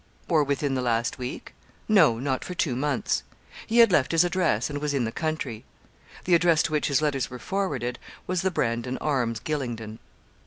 Or within the last week? No; not for two months. He had left his address, and was in the country. The address to which his letters were forwarded was 'The Brandon Arms, Gylingden.'